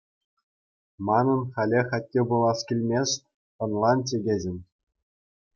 Манӑн халех атте пулас килмест, ӑнлан, чӗкеҫӗм.